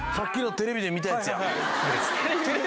テレビで見たやつ？